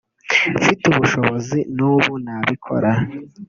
mfite ubushobozi n’ubu nabikora